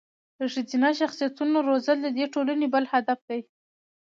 د ښځینه شخصیتونو روزل د دې ټولنې بل هدف دی.